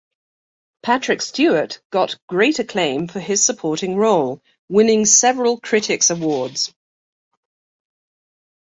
Patrick Stewart got great acclaim for his supporting role, winning several critics awards.